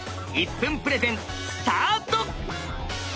１分プレゼンスタート！